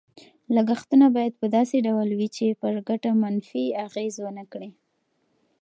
لګښتونه باید په داسې ډول وي چې پر ګټه منفي اغېز ونه کړي.